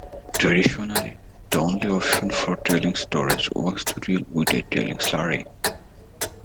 Traditionally, the only option for tailings storage was to deal with a tailings slurry.